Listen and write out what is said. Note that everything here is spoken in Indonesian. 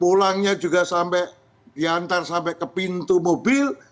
pulangnya juga sampai diantar sampai ke pintu mobil